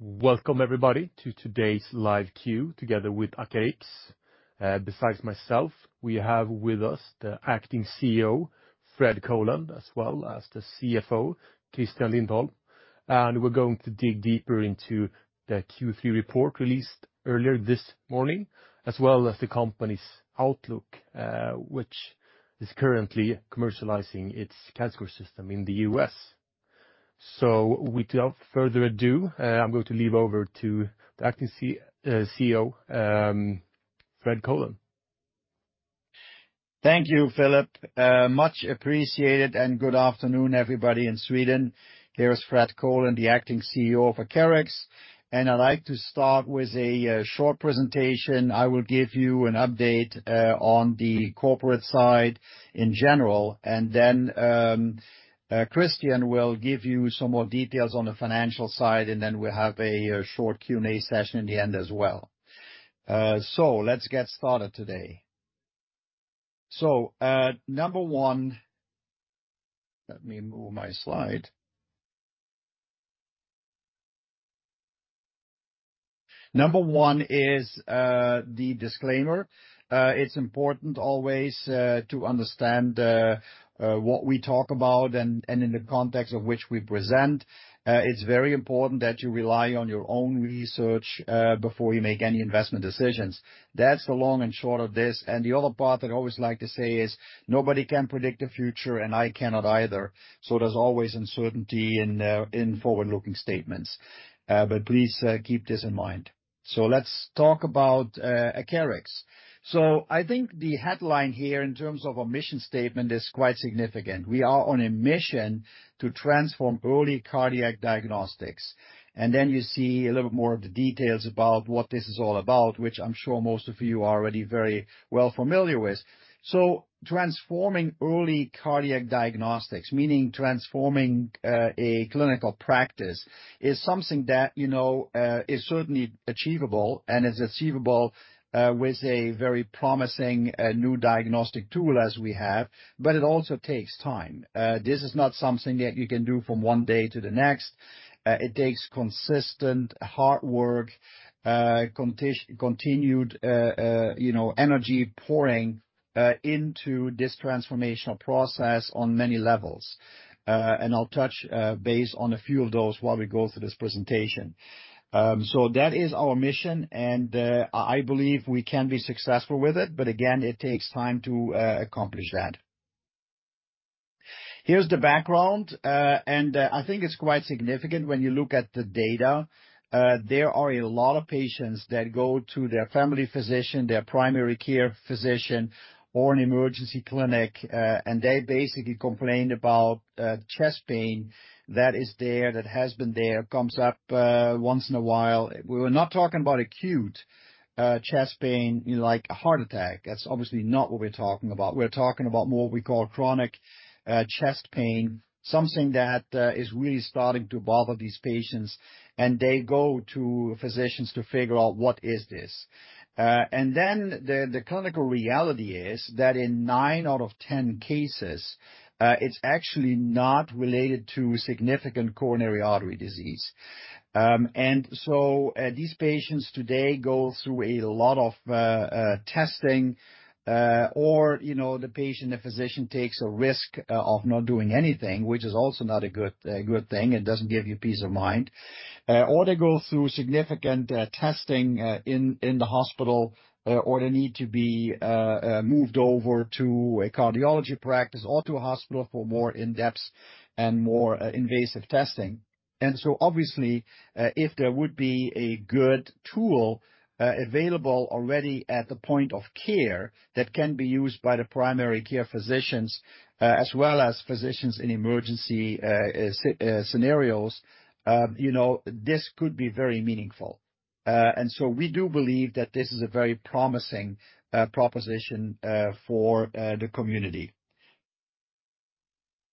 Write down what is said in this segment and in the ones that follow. Welcome everybody to today's live call together with Acarix. Besides myself, we have with us the Acting CEO, Fred Colen, as well as the CFO, Christian Lindholm, and we're going to dig deeper into the Q3 report released earlier this morning, as well as the company's outlook, which is currently commercializing its CADScor System in the US. Without further ado, I'm going to hand over to the Acting CEO, Fred Colen. Thank you, Philip. Much appreciated, and good afternoon, everybody in Sweden. Here's Fred Colen, the Acting CEO of Acarix, and I'd like to start with a short presentation. I will give you an update on the corporate side in general, and then Christian will give you some more details on the financial side, and then we'll have a short Q&A session in the end as well. Let's get started today. At number one let me move my slide. Number one is the disclaimer. It's important always to understand what we talk about and in the context of which we present. It's very important that you rely on your own research before you make any investment decisions. That's the long and short of this. The other part I'd always like to say is nobody can predict the future, and I cannot either, so there's always uncertainty in forward-looking statements. But please keep this in mind. Let's talk about Acarix. I think the headline here, in terms of our mission statement, is quite significant. We are on a mission to transform early cardiac diagnostics. And then you see a little bit more of the details about what this is all about, which I'm sure most of you are already very well familiar with. Transforming early cardiac diagnostics, meaning transforming a clinical practice, is something that, you know, is certainly achievable and is achievable with a very promising new diagnostic tool as we have, but it also takes time. This is not something that you can do from one day to the next. It takes consistent hard work, continued, you know, energy pouring into this transformational process on many levels. And I'll touch base on a few of those while we go through this presentation. So that is our mission, and I believe we can be successful with it, but again, it takes time to accomplish that. Here's the background, and I think it's quite significant when you look at the data. There are a lot of patients that go to their family physician, their primary care physician, or an emergency clinic, and they basically complained about chest pain that is there, that has been there, comes up once in a while. We were not talking about acute, chest pain, like a heart attack. That's obviously not what we're talking about. We're talking about more what we call chronic, chest pain, something that, is really starting to bother these patients, and they go to physicians to figure out what is this. And then the clinical reality is that in nine out of ten cases, it's actually not related to significant coronary artery disease. And so, these patients today go through a lot of, testing, or, you know, the patient, the physician takes a risk, of not doing anything, which is also not a good thing. It doesn't give you peace of mind. Or they go through significant testing in the hospital, or they need to be moved over to a cardiology practice or to a hospital for more in-depth and more invasive testing. And so obviously, if there would be a good tool available already at the point of care, that can be used by the primary care physicians, as well as physicians in emergency scenarios, you know, this could be very meaningful. And so we do believe that this is a very promising proposition for the community.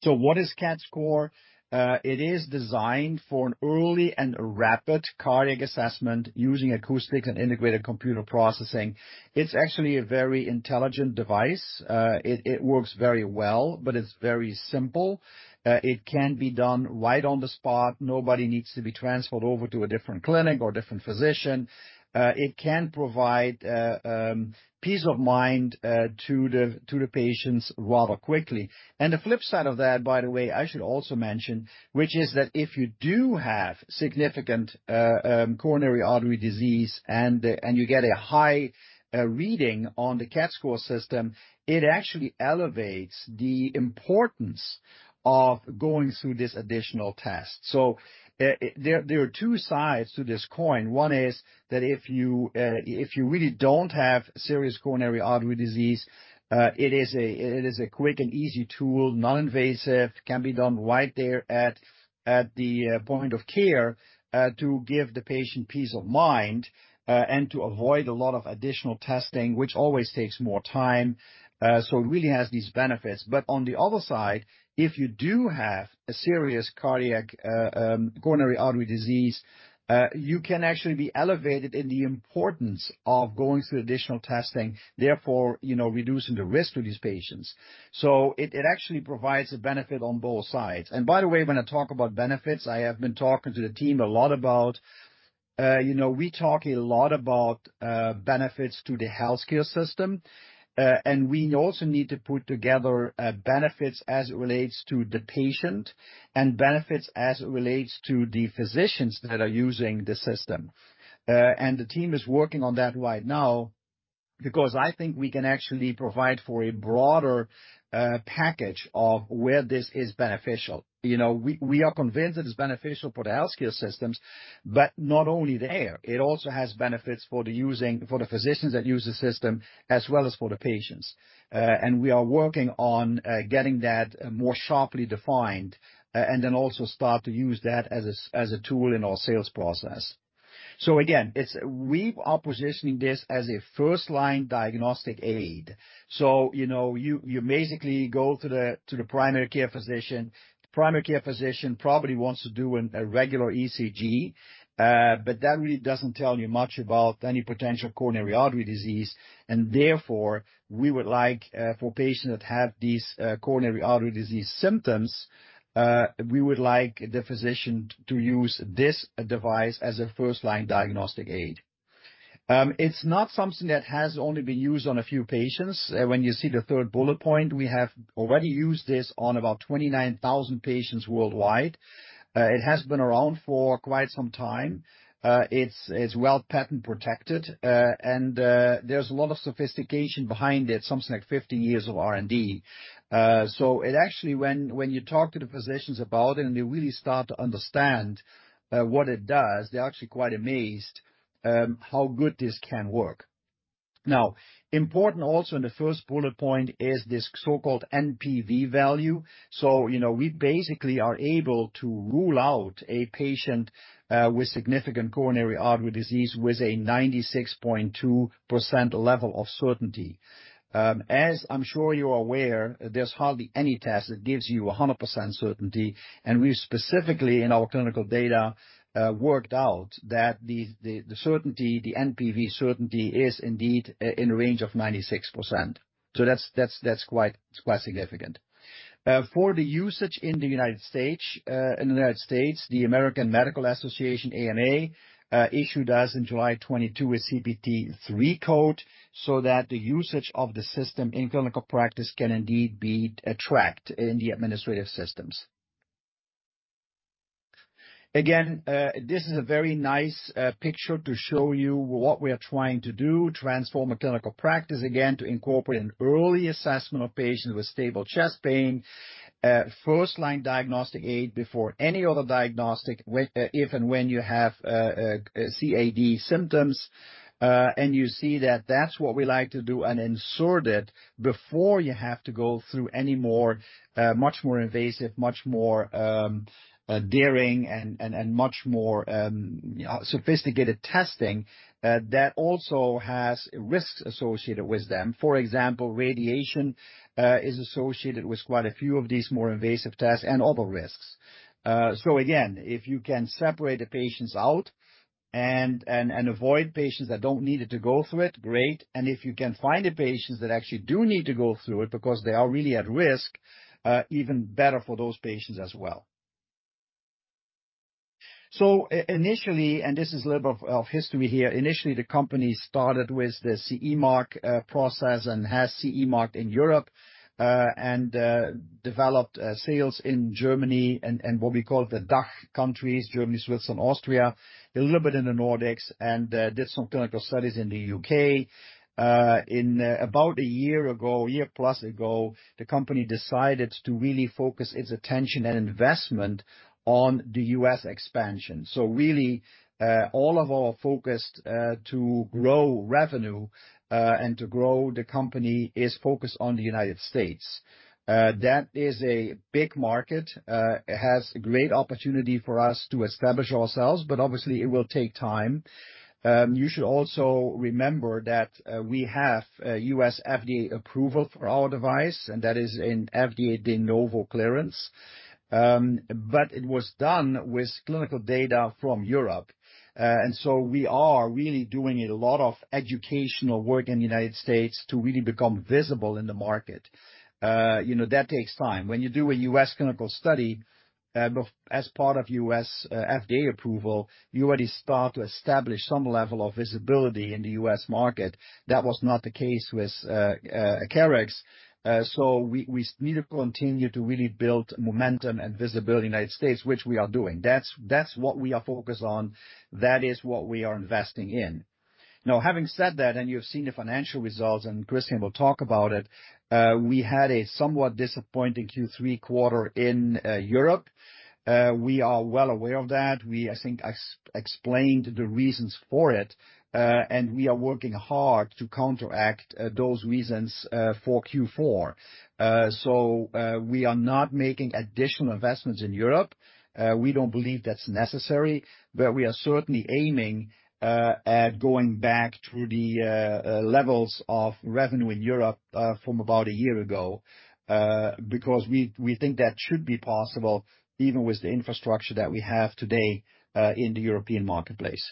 So what is CADScor? It is designed for an early and rapid cardiac assessment using acoustics and integrated computer processing. It's actually a very intelligent device. It works very well, but it's very simple. It can be done right on the spot. Nobody needs to be transferred over to a different clinic or different physician. It can provide peace of mind to the patients rather quickly. And the flip side of that, by the way, I should also mention, which is that if you do have significant coronary artery disease and you get a high reading on the CADScor System, it actually elevates the importance of going through this additional test. So there are two sides to this coin. One is that if you, if you really don't have serious coronary artery disease, it is a, it is a quick and easy tool, non-invasive, can be done right there at, at the, point of care, to give the patient peace of mind, and to avoid a lot of additional testing, which always takes more time. So it really has these benefits. But on the other side, if you do have a serious cardiac, coronary artery disease, you can actually be elevated in the importance of going through additional testing, therefore, you know, reducing the risk to these patients. So it, it actually provides a benefit on both sides. And by the way, when I talk about benefits, I have been talking to the team a lot about You know, we talk a lot about benefits to the healthcare system, and we also need to put together benefits as it relates to the patient and benefits as it relates to the physicians that are using the system. The team is working on that right now, because I think we can actually provide for a broader package of where this is beneficial. You know, we are convinced that it's beneficial for the healthcare systems, but not only there, it also has benefits for the physicians that use the system, as well as for the patients. We are working on getting that more sharply defined, and then also start to use that as a tool in our sales process. So again, it's. We are positioning this as a first-line diagnostic aid. So, you know, you basically go to the primary care physician. Primary care physician probably wants to do a regular ECG, but that really doesn't tell you much about any potential coronary artery disease, and therefore, we would like for patients that have these coronary artery disease symptoms, we would like the physician to use this device as a first-line diagnostic aid. It's not something that has only been used on a few patients. When you see the third bullet point, we have already used this on about 29,000 patients worldwide. It has been around for quite some time. It's well patent protected, and there's a lot of sophistication behind it, something like 50 years of R&D. So it actually, when you talk to the physicians about it and they really start to understand what it does, they're actually quite amazed how good this can work. Now, important also in the first bullet point is this so-called NPV value. So, you know, we basically are able to rule out a patient with significant coronary artery disease with a 96.2% level of certainty. As I'm sure you are aware, there's hardly any test that gives you a 100% certainty, and we specifically, in our clinical data, worked out that the certainty, the NPV certainty, is indeed in the range of 96%. So that's quite significant. For the usage in the United States, in the United States, the American Medical Association, AMA, issued us in July 2022, a CPT III code, so that the usage of the system in clinical practice can indeed be tracked in the administrative systems. Again, this is a very nice picture to show you what we are trying to do, transform a clinical practice, again, to incorporate an early assessment of patients with stable chest pain. First-line diagnostic aid before any other diagnostic, if and when you have CAD symptoms, and you see that that's what we like to do, and insert it before you have to go through any more much more invasive, much more daring and much more sophisticated testing that also has risks associated with them. For example, radiation, is associated with quite a few of these more invasive tests and other risks. So again, if you can separate the patients out and avoid patients that don't need it to go through it, great. And if you can find the patients that actually do need to go through it because they are really at risk, even better for those patients as well. So initially, and this is a little bit of history here, initially, the company started with the CE Mark process and has CE marked in Europe, and developed sales in Germany and what we call the DACH countries, Germany, Switzerland, Austria, a little bit in the Nordics, and did some clinical studies in the U.K. In about a year ago, a year plus ago, the company decided to really focus its attention and investment on the U.S. expansion. So really, all of our focus, to grow revenue, and to grow the company is focused on the United States. That is a big market, it has great opportunity for us to establish ourselves, but obviously, it will take time. You should also remember that, we have a U.S. FDA approval for our device, and that is an FDA De Novo clearance. But it was done with clinical data from Europe. And so we are really doing a lot of educational work in the United States to really become visible in the market. You know, that takes time. When you do a U.S. clinical study, as part of U.S., FDA approval, you already start to establish some level of visibility in the U.S. market. That was not the case with Acarix. So we need to continue to really build momentum and visibility in the United States, which we are doing. That's what we are focused on. That is what we are investing in. Now, having said that, and you've seen the financial results, and Christian will talk about it, we had a somewhat disappointing Q3 quarter in Europe. We are well aware of that. We, I think, explained the reasons for it, and we are working hard to counteract those reasons for Q4. So we are not making additional investments in Europe. We don't believe that's necessary, but we are certainly aiming at going back to the levels of revenue in Europe from about a year ago, because we think that should be possible, even with the infrastructure that we have today in the European marketplace.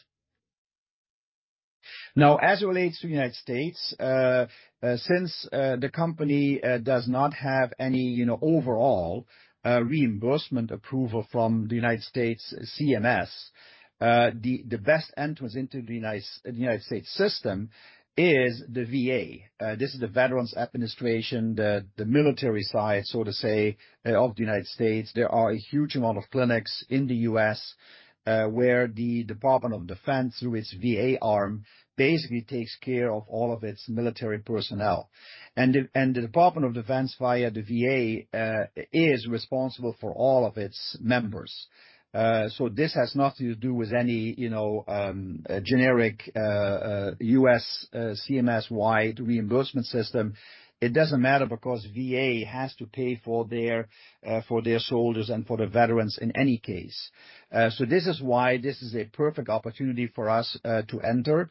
Now, as it relates to United States, since the company does not have any, you know, overall reimbursement approval from the United States CMS, the best entrance into the United States system is the VA. This is the Veterans Administration, the military side, so to say, of the United States. There are a huge amount of clinics in the U.S., where the Department of Defense, through its VA arm, basically takes care of all of its military personnel. The Department of Defense, via the VA, is responsible for all of its members. So this has nothing to do with any, you know, generic U.S. CMS-wide reimbursement system. It doesn't matter because VA has to pay for their soldiers and for the veterans in any case. So this is why this is a perfect opportunity for us to enter.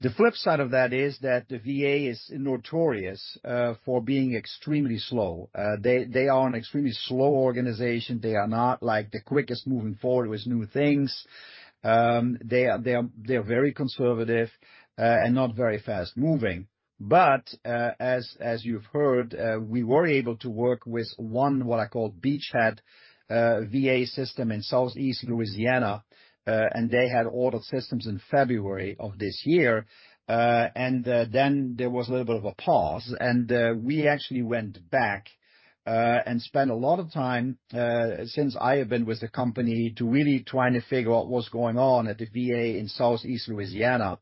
The flip side of that is that the VA is notorious for being extremely slow. They are an extremely slow organization. They are not like the quickest moving forward with new things. They are very conservative and not very fast-moving. But as you've heard, we were able to work with one what I call beachhead VA system in Southeast Louisiana, and they had ordered systems in February of this year. Then there was a little bit of a pause, and we actually went back and spent a lot of time, since I have been with the company, to really trying to figure out what's going on at the VA in Southeast Louisiana.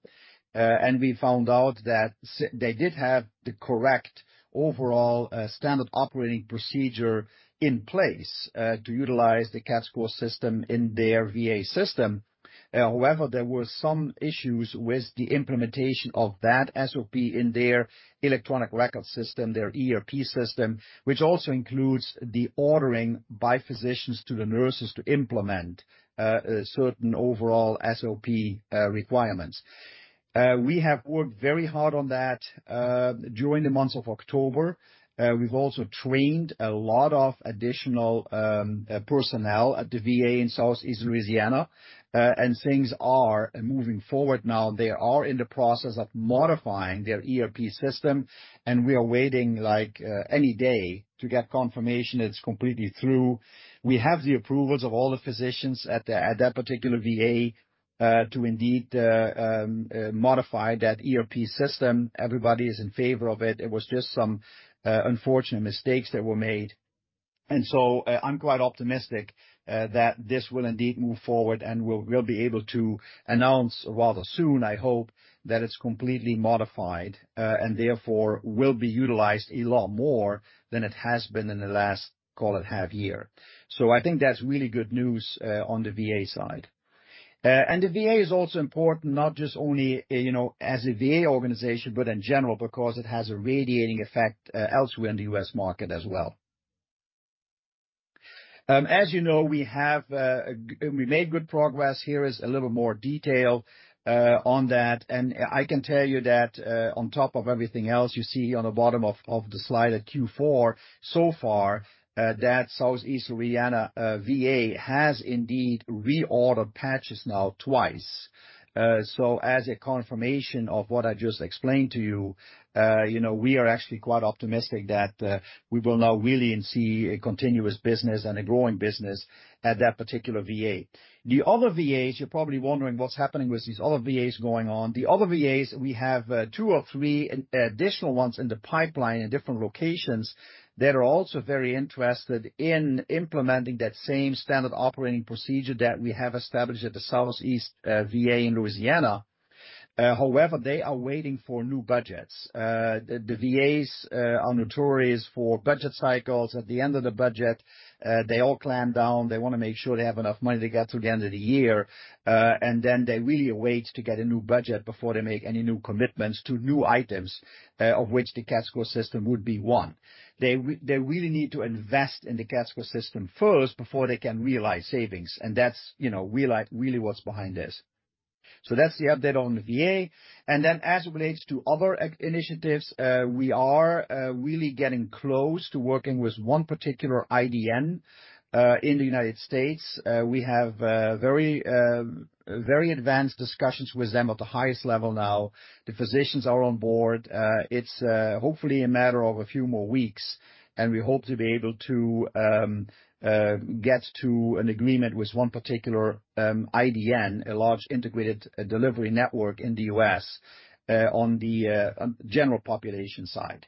And we found out that they did have the correct overall standard operating procedure in place to utilize the CADScor System in their VA system. However, there were some issues with the implementation of that SOP in their electronic record system, their ERP system, which also includes the ordering by physicians to the nurses to implement certain overall SOP requirements. We have worked very hard on that during the months of October. We've also trained a lot of additional personnel at the VA in Southeast Louisiana, and things are moving forward now. They are in the process of modifying their ERP system, and we are waiting, like, any day to get confirmation it's completely through. We have the approvals of all the physicians at that particular VA to indeed modify that ERP system. Everybody is in favor of it. It was just some unfortunate mistakes that were made. I'm quite optimistic that this will indeed move forward, and we'll, we'll be able to announce rather soon, I hope, that it's completely modified and therefore will be utilized a lot more than it has been in the last, call it, half year. So I think that's really good news on the VA side. And the VA is also important, not just only, you know, as a VA organization, but in general, because it has a radiating effect elsewhere in the U.S. market as well. As you know, we have, we made good progress. Here is a little more detail on that, and I can tell you that, on top of everything else, you see on the bottom of the slide, a Q4 so far, that Southeast Louisiana VA has indeed reordered patches now twice. So, as a confirmation of what I just explained to you, you know, we are actually quite optimistic that we will now really see a continuous business and a growing business at that particular VA. The other VAs, you're probably wondering what's happening with these other VAs going on. The other VAs, we have two or three additional ones in the pipeline in different locations that are also very interested in implementing that same standard operating procedure that we have established at the Southeast VA in Louisiana. However, they are waiting for new budgets. The VAs are notorious for budget cycles. At the end of the budget, they all clamp down. They wanna make sure they have enough money to get through the end of the year, and then they really wait to get a new budget before they make any new commitments to new items, of which the CADScor System would be one. They really need to invest in the CADScor System first before they can realize savings, and that's, you know, really, really what's behind this. So that's the update on the VA. And then, as it relates to other initiatives, we are really getting close to working with one particular IDN, in the United States. We have very, very advanced discussions with them at the highest level now. The physicians are on board. It's hopefully a matter of a few more weeks, and we hope to be able to get to an agreement with one particular IDN, a large integrated delivery network in the U.S., on the general population side.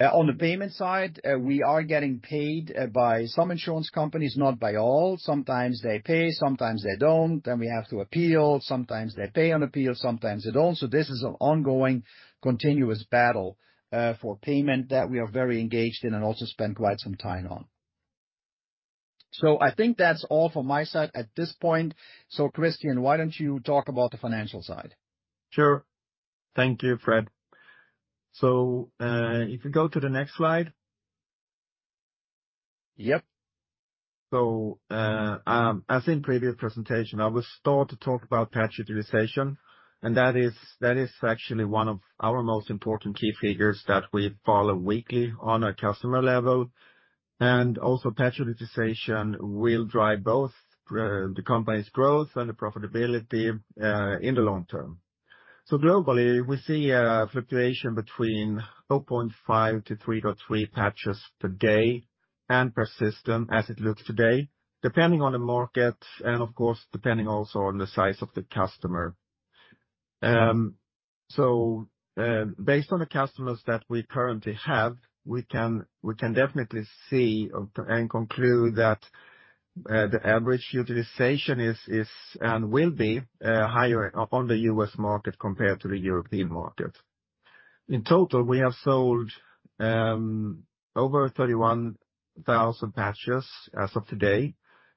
On the payment side, we are getting paid by some insurance companies, not by all. Sometimes they pay, sometimes they don't, then we have to appeal. Sometimes they pay on appeal, sometimes they don't. So this is an ongoing, continuous battle for payment that we are very engaged in and also spend quite some time on. So I think that's all from my side at this point. So Christian, why don't you talk about the financial side? Sure. Thank you, Fred. So, if you go to the next slide. Yep. As in previous presentation, I will start to talk about patch utilization, and that is actually one of our most important key figures that we follow weekly on a customer level, and also patch utilization will drive both the company's growth and the profitability in the long term. Globally, we see a fluctuation between 0.5-3.3 patches per day and per system as it looks today, depending on the market and of course, depending also on the size of the customer. Based on the customers that we currently have, we can definitely see and conclude that the average utilization is and will be higher on the U.S. market compared to the European market. In total, we have sold over 31,000 patches as of today,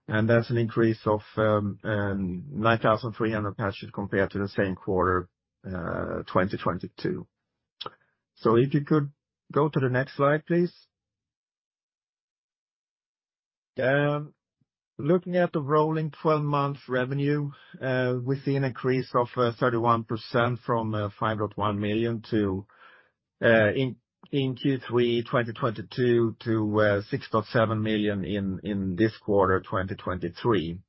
and that's an increase of 9,300 patches compared to the same quarter, 2022. If you could go to the next slide, please. Looking at the rolling twelve-month revenue, we see an increase of 31% from 5.1 million in Q3 2022 to 6.7 million in this quarter, 2023.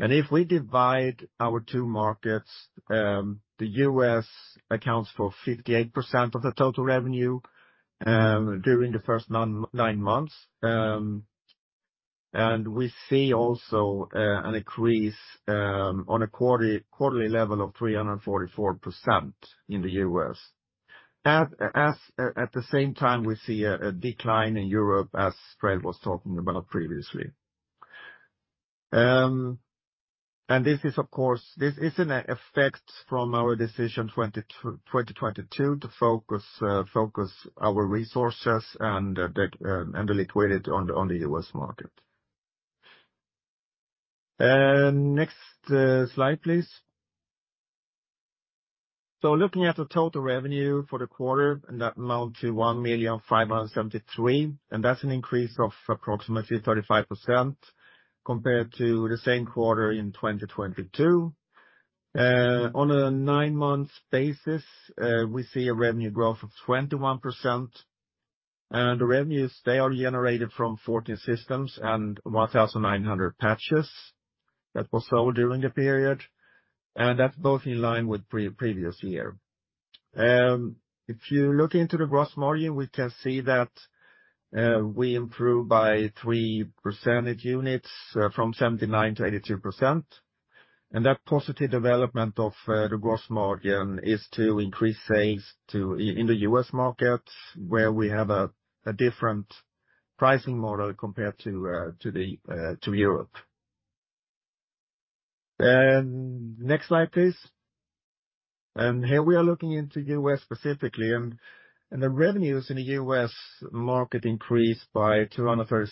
If we divide our two markets, the U.S. accounts for 58% of the total revenue during the first nine months. We see also an increase on a quarterly level of 344% in the U.S. At the same time, we see a decline in Europe, as Fred was talking about previously. This is, of course, an effect from our decision in 2022 to focus our resources and the liquidity on the US market. Next, slide, please. Looking at the total revenue for the quarter, and that amount to 1,000,573, and that's an increase of approximately 35% compared to the same quarter in 2022. On a nine month basis, we see a revenue growth of 21%, and the revenues, they are generated from 14 systems and 1,900 patches that was sold during the period, and that's both in line with previous year. If you look into the gross margin, we can see that we improved by three percentage units from 79% to 82%. That positive development of the gross margin is to increase sales in the U.S. market, where we have a different pricing model compared to Europe. Next slide, please. Here we are looking into U.S. specifically, and the revenues in the U.S. market increased by 236%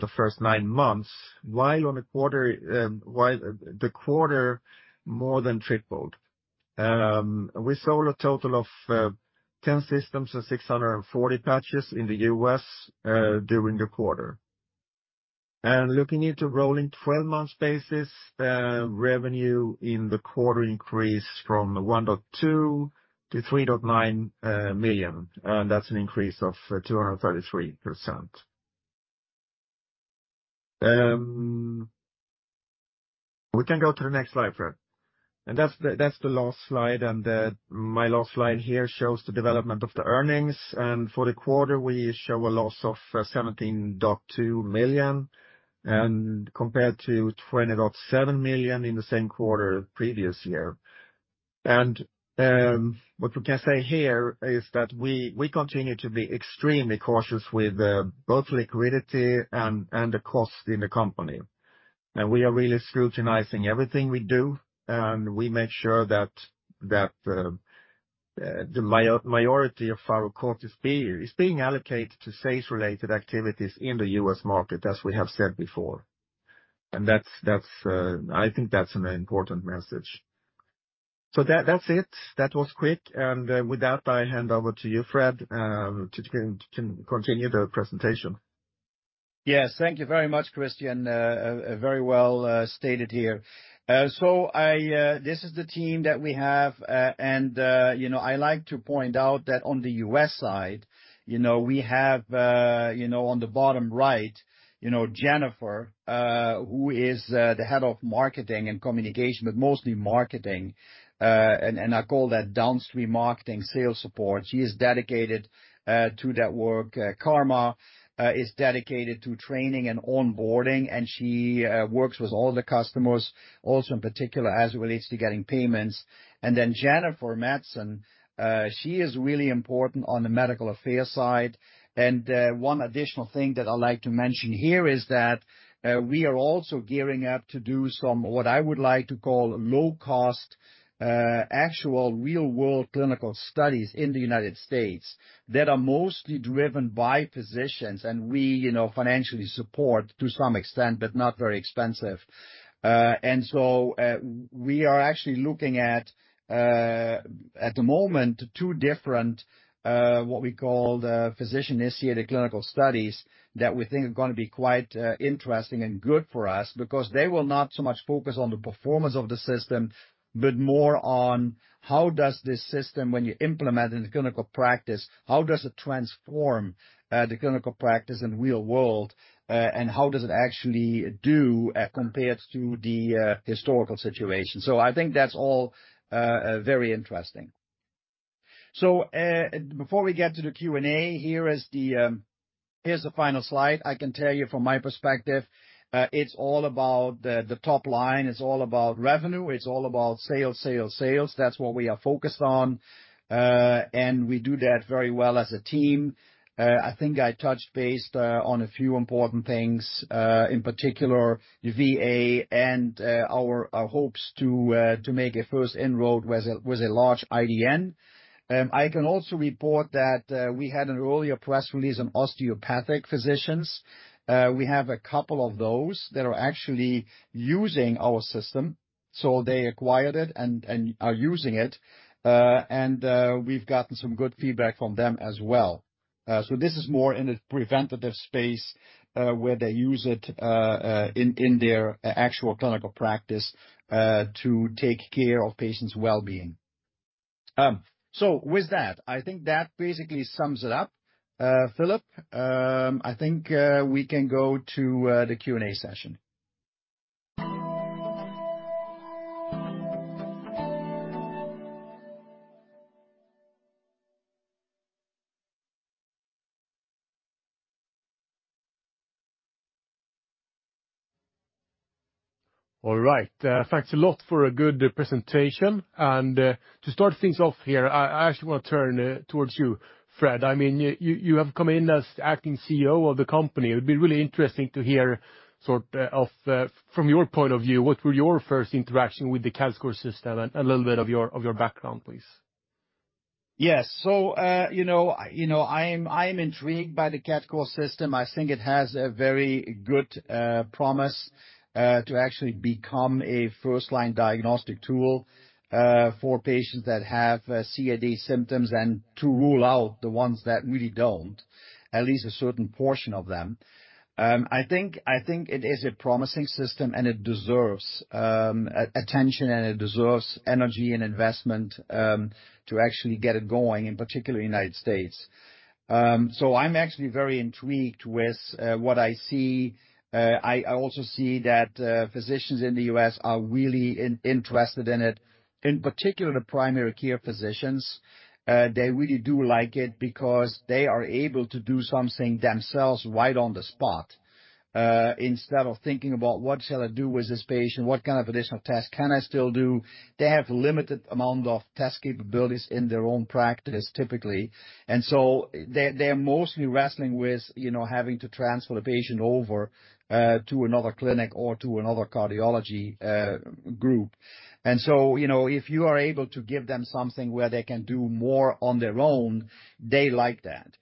the first nine months, while the quarter more than tripled. We sold a total of 10 systems and 640 patches in the U.S. during the quarter. Looking into rolling twelve-month basis, revenue in the quarter increased from 1.2 million to 3.9 million, and that's an increase of 233%. We can go to the next slide, Fred. That's the last slide, and my last slide here shows the development of the earnings. For the quarter, we show a loss of 17.2 million, compared to 20.7 million in the same quarter previous year. What we can say here is that we continue to be extremely cautious with both liquidity and the cost in the company. We are really scrutinizing everything we do, and we make sure that the majority of our cost is being allocated to sales-related activities in the U.S. market, as we have said before. And that's, I think that's an important message. So that's it. That was quick. And with that, I hand over to you, Fred, to continue the presentation. Yes, thank you very much, Christian. Very well stated here. So this is the team that we have, and you know, I like to point out that on the US side, you know, we have, you know, on the bottom right, you know, Jennifer, who is the head of marketing and communication, but mostly marketing. And I call that downstream marketing sales support. She is dedicated to that work. Karma is dedicated to training and onboarding, and she works with all the customers, also in particular, as it relates to getting payments. And then Jennifer Mattson, she is really important on the medical affairs side. One additional thing that I'd like to mention here is that we are also gearing up to do some, what I would like to call, low-cost actual real-world clinical studies in the United States that are mostly driven by physicians, and we, you know, financially support to some extent, but not very expensive. So, we are actually looking at, at the moment, two different what we call the physician-initiated clinical studies that we think are gonna be quite interesting and good for us because they will not so much focus on the performance of the system, but more on how does this system, when you implement it in the clinical practice, how does it transform the clinical practice in real world, and how does it actually do compared to the historical situation? So I think that's all, very interesting. So, before we get to the Q&A, here is the, here's the final slide. I can tell you from my perspective, it's all about the, the top line. It's all about revenue, it's all about sales, sales, sales. That's what we are focused on, and we do that very well as a team. I think I touched base, on a few important things, in particular, the VA and, our, our hopes to, to make a first inroad with a, with a large IDN. I can also report that, we had an earlier press release on osteopathic physicians. We have a couple of those that are actually using our system, so they acquired it and, and are using it. We've gotten some good feedback from them as well. This is more in a preventative space, where they use it in their actual clinical practice to take care of patients' well-being. With that, I think that basically sums it up. Philip, I think we can go to the Q&A session. All right. Thanks a lot for a good presentation. And, to start things off here, I actually wanna turn towards you, Fred. I mean, you have come in as acting CEO of the company. It would be really interesting to hear sort of from your point of view, what were your first interaction with the CADScor System and a little bit of your background, please. Yes. So, you know, I am intrigued by the CADScor System. I think it has a very good promise to actually become a first-line diagnostic tool for patients that have CAD symptoms, and to rule out the ones that really don't, at least a certain portion of them. I think it is a promising system, and it deserves attention, and it deserves energy and investment to actually get it going, in particular United States. So I'm actually very intrigued with what I see. I also see that physicians in the U.S. are really interested in it, in particular, the primary care physicians. They really do like it because they are able to do something themselves right on the spot, instead of thinking about: What shall I do with this patient? What kind of additional tests can I still do? They have limited amount of test capabilities in their own practice, typically. And so they, they're mostly wrestling with, you know, having to transfer the patient over to another clinic or to another cardiology group. And so, you know, if you are able to give them something where they can do more on their own, they like that.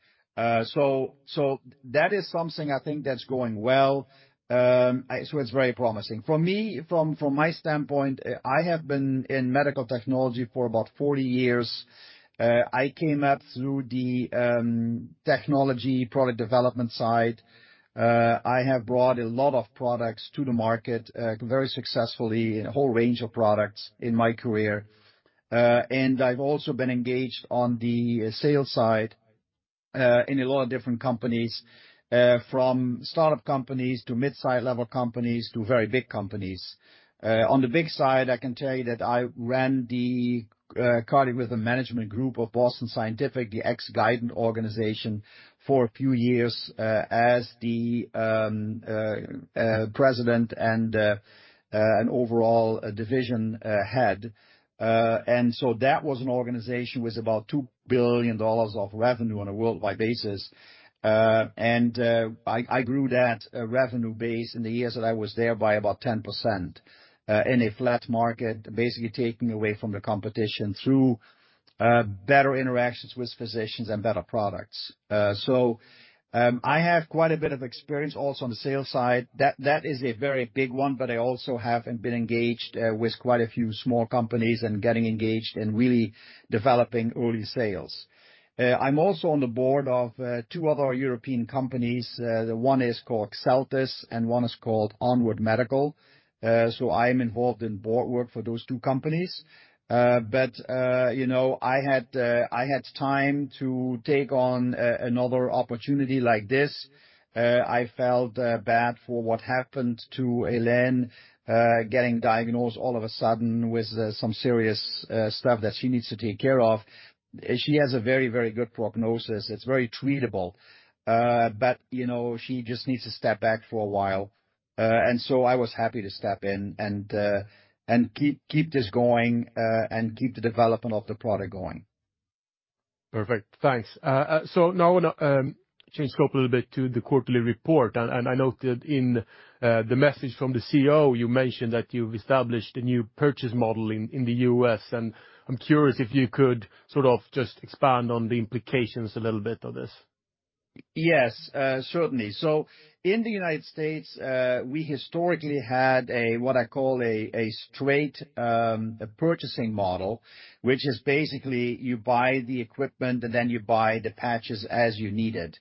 So, so that is something I think that's going well. So it's very promising. For me, from my standpoint, I have been in medical technology for about 40 years. I came up through the technology product development side. I have brought a lot of products to the market, very successfully, a whole range of products in my career. I've also been engaged on the sales side, in a lot of different companies, from start-up companies to mid-size level companies to very big companies. On the big side, I can tell you that I ran the cardiac rhythm management group of Boston Scientific, the ex-Guidant organization, for a few years, as the president and an overall division head. So that was an organization with about $2 billion of revenue on a worldwide basis. I grew that revenue base in the years that I was there by about 10%, in a flat market, basically taking away from the competition through better interactions with physicians and better products. So I have quite a bit of experience also on the sales side. That is a very big one, but I also have been engaged with quite a few small companies and getting engaged in really developing early sales. I'm also on the board of two other European companies. The one is called Xeltis, and one is called ONWARD Medical. So I'm involved in board work for those two companies. But you know, I had time to take on another opportunity like this. I felt bad for what happened to Helen, getting diagnosed all of a sudden with some serious stuff that she needs to take care of. She has a very, very good prognosis. It's very treatable, but, you know, she just needs to step back for a while. And so I was happy to step in and keep this going and keep the development of the product going. Perfect. Thanks. So now I wanna change scope a little bit to the quarterly report, and I noted in the message from the CEO, you mentioned that you've established a new purchase model in the U.S., and I'm curious if you could sort of just expand on the implications a little bit of this. Yes, certainly. So in the United States, we historically had a, what I call a straight purchasing model, which is basically you buy the equipment, and then you buy the patches as you need it.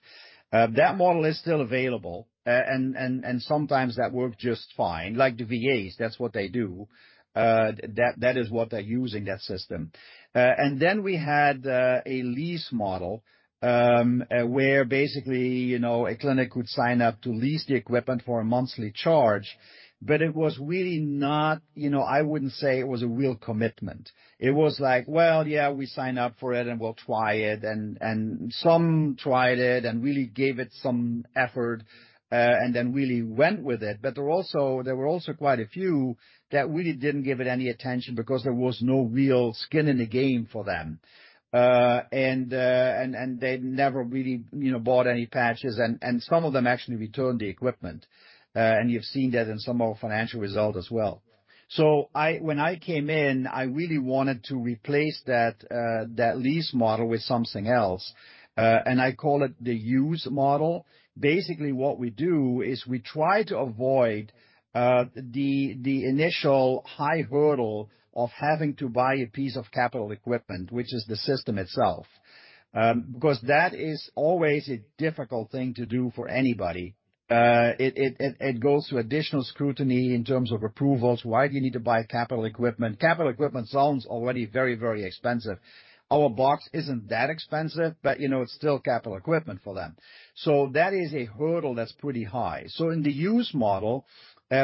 That model is still available, and sometimes that work just fine. Like the VAs, that's what they do. That is what they use in that system. And then we had a lease model, where basically, you know, a clinic would sign up to lease the equipment for a monthly charge, but it was really not you know, I wouldn't say it was a real commitment. It was like: Well, yeah, we signed up for it, and we'll try it. And some tried it and really gave it some effort, and then really went with it. But there were also quite a few that really didn't give it any attention because there was no real skin in the game for them. And they never really, you know, bought any patches, and some of them actually returned the equipment. And you've seen that in some of our financial results as well. So when I came in, I really wanted to replace that, that lease model with something else, and I call it the use model. Basically, what we do is we try to avoid the initial high hurdle of having to buy a piece of capital equipment, which is the system itself. Because that is always a difficult thing to do for anybody. It goes through additional scrutiny in terms of approvals. Why do you need to buy capital equipment? Capital equipment sounds already very, very expensive. Our box isn't that expensive, but, you know, it's still capital equipment for them. So that is a hurdle that's pretty high. So in the use model,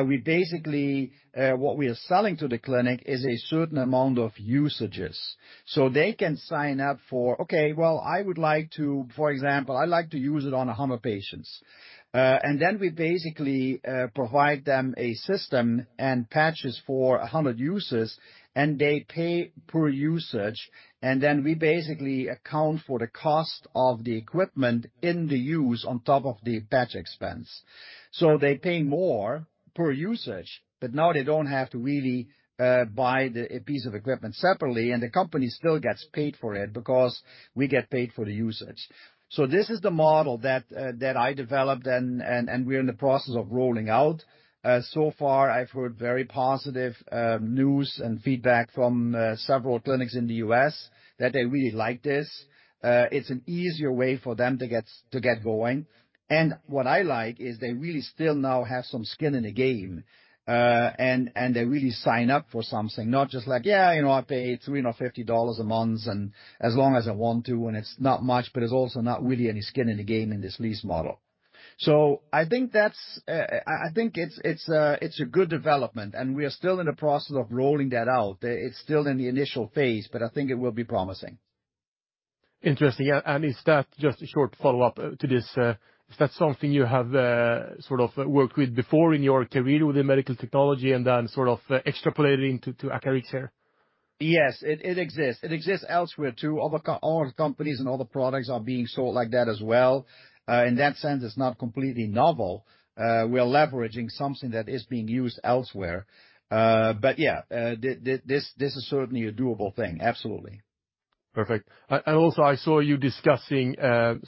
we basically, what we are selling to the clinic is a certain amount of usages. So they can sign up for, okay, well, I would like to, for example, I like to use it on 100 patients. And then we basically, provide them a system and patches for 100 uses, and they pay per usage, and then we basically account for the cost of the equipment in the use on top of the patch expense. So they pay more per usage, but now they don't have to really buy a piece of equipment separately, and the company still gets paid for it because we get paid for the usage. So this is the model that I developed, and we're in the process of rolling out. So far, I've heard very positive news and feedback from several clinics in the U.S., that they really like this. It's an easier way for them to get going. And what I like is they really still now have some skin in the game, and they really sign up for something. Not just like, "Yeah, you know, I pay $350 a month, and as long as I want to," and it's not much, but it's also not really any skin in the game in this lease model. So I think that's a good development, and we are still in the process of rolling that out. It's still in the initial phase, but I think it will be promising. Interesting. And is that, just a short follow-up, to this, is that something you have sort of worked with before in your career within medical technology and then sort of extrapolated into to Acarix here? Yes, it exists. It exists elsewhere, too. Other companies and other products are being sold like that as well. In that sense, it's not completely novel. We are leveraging something that is being used elsewhere. But yeah, this is certainly a doable thing. Absolutely. Perfect. And also, I saw you discussing,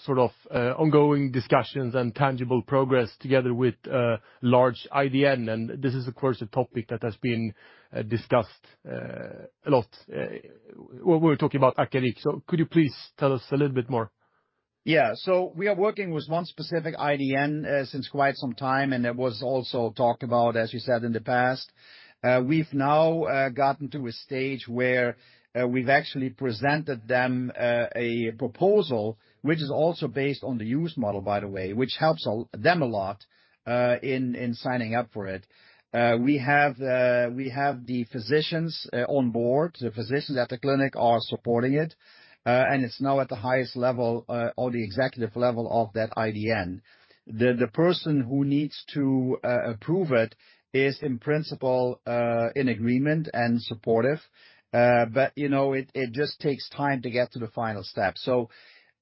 sort of, ongoing discussions and tangible progress together with, large IDN, and this is, of course, a topic that has been, discussed, a lot, when we were talking about Acarix. So could you please tell us a little bit more? Yeah. So we are working with one specific IDN since quite some time, and it was also talked about, as you said, in the past. We've now gotten to a stage where we've actually presented them a proposal, which is also based on the use model, by the way, which helps them a lot in signing up for it. We have the physicians on board. The physicians at the clinic are supporting it, and it's now at the highest level on the executive level of that IDN. The person who needs to approve it is, in principle, in agreement and supportive, but, you know, it just takes time to get to the final step. So,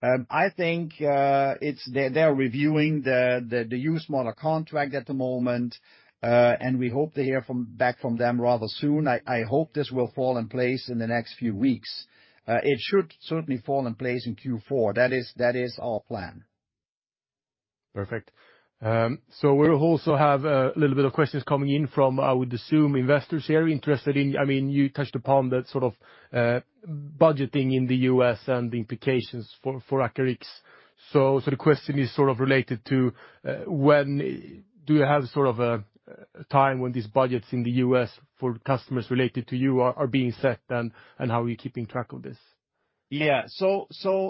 I think, they're reviewing the use model contract at the moment, and we hope to hear back from them rather soon. I hope this will fall in place in the next few weeks. It should certainly fall in place in Q4. That is our plan. Perfect. So we'll also have a little bit of questions coming in from, I would assume, investors here interested in. I mean, you touched upon that sort of, budgeting in the US and the implications for, for Acarix. So the question is sort of related to, when do you have sort of a, a time when these budgets in the US for customers related to you are being set, and how are you keeping track of this? Yeah. So,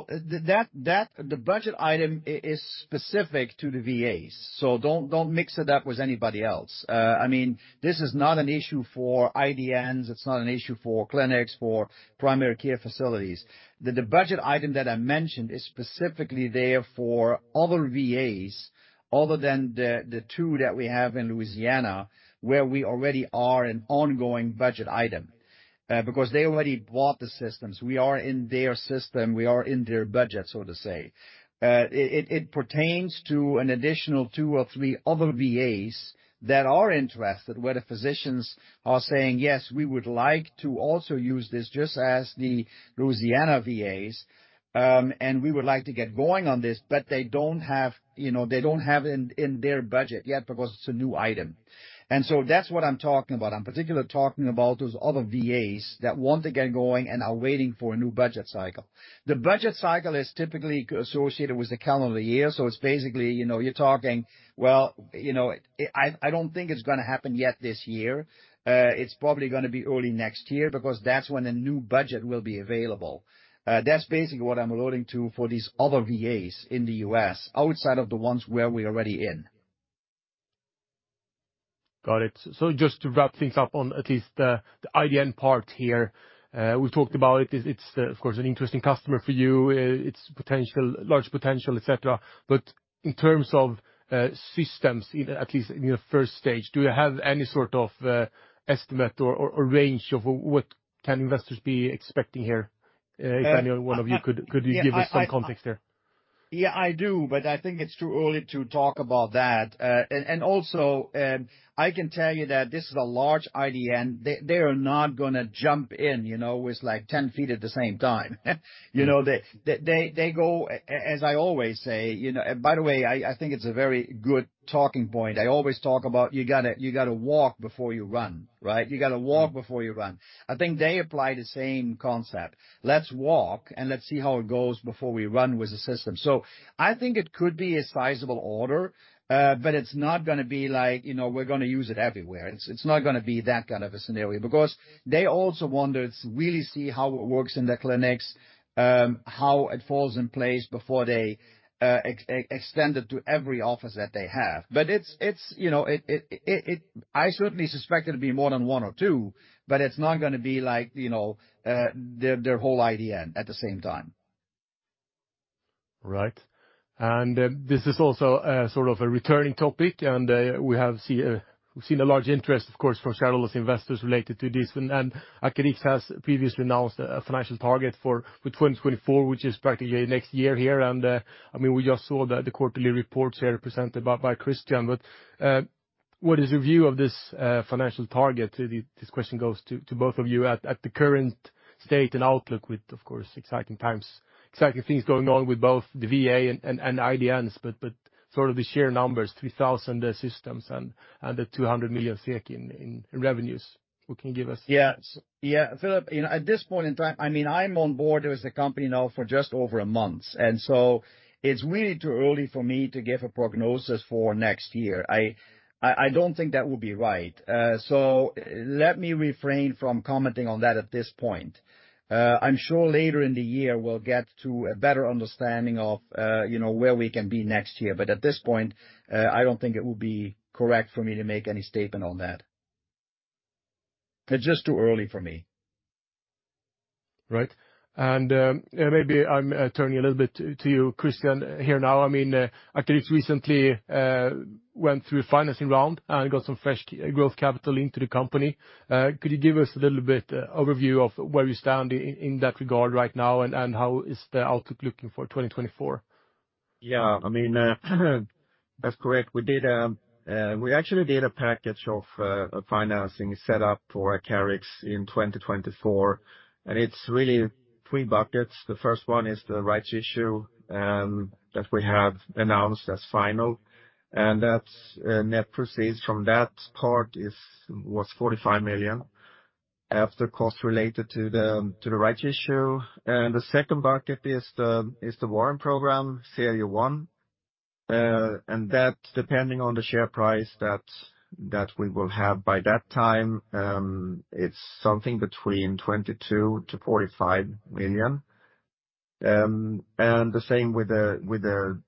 the budget item is specific to the VAs, so don't mix it up with anybody else. I mean, this is not an issue for IDNs, it's not an issue for clinics, for primary care facilities. The budget item that I mentioned is specifically there for other VAs, other than the two that we have in Louisiana, where we already are an ongoing budget item, because they already bought the systems. We are in their system. We are in their budget, so to say. It pertains to an additional two or three other VAs that are interested, where the physicians are saying, "Yes, we would like to also use this just as the Louisiana VAs, and we would like to get going on this," but they don't have, you know, they don't have it in their budget yet because it's a new item. And so that's what I'm talking about. I'm particularly talking about those other VAs that want to get going and are waiting for a new budget cycle. The budget cycle is typically associated with the calendar year, so it's basically, you know, you're talking. I don't think it's gonna happen yet this year. It's probably gonna be early next year because that's when a new budget will be available. That's basically what I'm alluding to for these other VAs in the US, outside of the ones where we're already in. Got it. So just to wrap things up on at least the IDN part here, we've talked about it. It's, it's, of course, an interesting customer for you, it's potential large potential, et cetera. But in terms of systems, at least in the first stage, do you have any sort of estimate or range of what can investors be expecting here? If any one of you could, could you give us some context there? Yeah, I do, but I think it's too early to talk about that. And also, I can tell you that this is a large IDN. They are not gonna jump in, you know, with like ten feet at the same time. You know, they go, as I always say, you know by the way, I think it's a very good talking point. I always talk about you gotta, you gotta walk before you run, right? You gotta walk before you run. I think they apply the same concept. Let's walk, and let's see how it goes before we run with the system. So I think it could be a sizable order, but it's not gonna be like, you know, we're gonna use it everywhere. It's not gonna be that kind of a scenario, because they also want to really see how it works in the clinics, how it falls in place before they extend it to every office that they have. But it's, you know, it I certainly suspect it'll be more than one or two, but it's not gonna be like, you know, their whole IDN at the same time. Right. And, this is also a sort of a returning topic, and, we have see, we've seen a large interest, of course, from shareholders, investors related to this. And, Acarix has previously announced a financial target for 2024, which is practically next year here. And, I mean, we just saw the quarterly reports here presented by Christian. But, what is your view of this financial target? This question goes to both of you. At the current state and outlook with, of course, exciting times, exciting things going on with both the VA and IDNs, but sort of the sheer numbers, 3,000 systems and the 200 million SEK in revenues. What can you give us? Yeah. Yeah, Philip, you know, at this point in time, I mean, I'm on board with the company now for just over a month, and so it's really too early for me to give a prognosis for next year. I don't think that would be right. So let me refrain from commenting on that at this point. I'm sure later in the year, we'll get to a better understanding of, you know, where we can be next year, but at this point, I don't think it would be correct for me to make any statement on that. It's just too early for me. Right. And, maybe I'm turning a little bit to you, Christian, here now. I mean, Acarix recently went through a financing round and got some fresh growth capital into the company. Could you give us a little bit overview of where you stand in, in that regard right now, and, and how is the outlook looking for 2024? Yeah, I mean, that's correct. We did, we actually did a package of financing set up for Acarix in 2024, and it's really three buckets. The first one is the rights issue that we have announced as final, and that's net proceeds from that part is, was 45 million after costs related to the, to the rights issue. And the second bucket is the, is the warrant program, Series One. And that, depending on the share price that, that we will have by that time, it's something between 22 million-45 million. And the same with the, with the,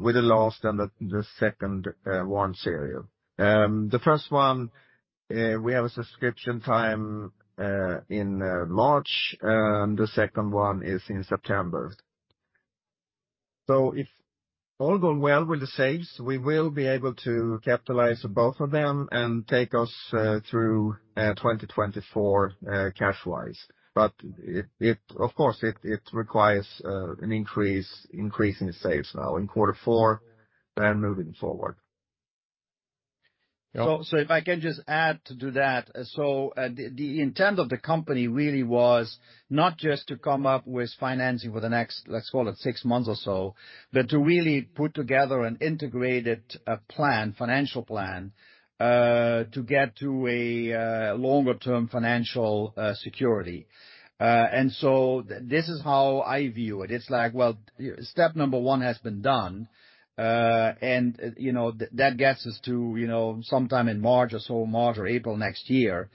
with the last and the, the second, one series. The first one, we have a subscription time, in, March, and the second one is in September. So if all go well with the sales, we will be able to capitalize both of them and take us through 2024 cash-wise. But, of course, it requires an increase in the sales now in quarter four and moving forward. So, if I can just add to that. So, the intent of the company really was not just to come up with financing for the next, let's call it six months or so, but to really put together an integrated, plan, financial plan, to get to a, longer-term financial, security. And so this is how I view it. It's like, well, step number one has been done, and, you know, that gets us to, you know, sometime in March or so, March or April next year,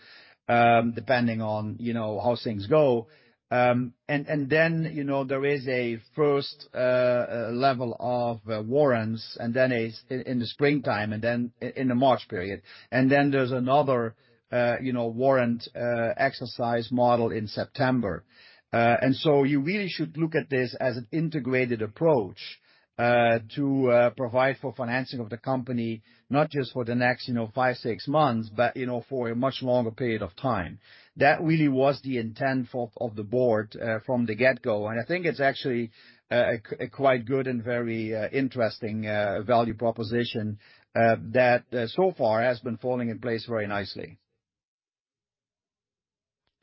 depending on, you know, how things go. And, and then, you know, there is a first, level of warrants, and then a, in, in the springtime, and then in the March period. And then there's another, you know, warrant, exercise model in September. So you really should look at this as an integrated approach to provide for financing of the company, not just for the next, you know, five to six months, but, you know, for a much longer period of time. That really was the intent of the board from the get-go, and I think it's actually a quite good and very interesting value proposition that so far has been falling in place very nicely.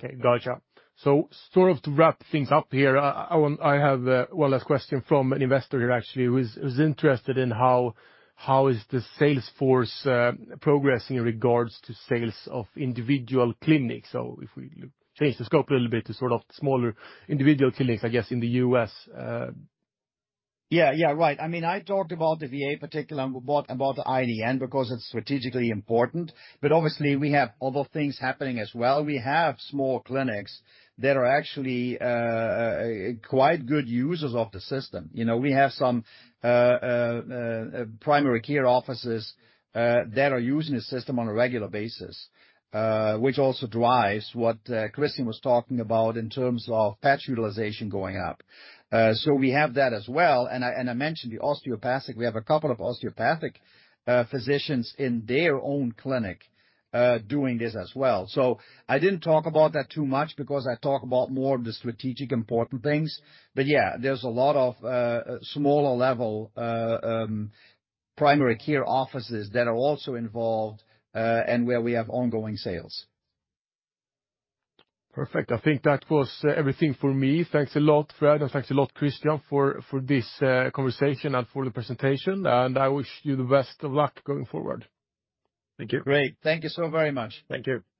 Okay, gotcha. So sort of to wrap things up here, I want... I have one last question from an investor here, actually, who is interested in how the sales force is progressing in regards to sales of individual clinics? So if we change the scope a little bit to sort of smaller individual clinics, I guess, in the US. Yeah, yeah, right. I mean, I talked about the VA in particular about the IDN, because it's strategically important, but obviously, we have other things happening as well. We have small clinics that are actually quite good users of the system. You know, we have some primary care offices that are using the system on a regular basis, which also drives what Christian was talking about in terms of patch utilization going up. So we have that as well. And I mentioned the osteopathic. We have a couple of osteopathic physicians in their own clinic doing this as well. So I didn't talk about that too much because I talk about more of the strategic, important things. Yeah, there's a lot of smaller level primary care offices that are also involved, and where we have ongoing sales. Perfect. I think that was everything for me. Thanks a lot, Fred, and thanks a lot, Christian, for, for this conversation and for the presentation, and I wish you the best of luck going forward. Thank you. Great. Thank you so very much. Thank you. Yeah.